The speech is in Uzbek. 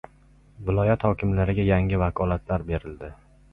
Viloyat hokimlariga yangi vakolatlar berildi